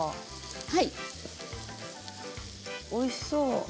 おいしそう。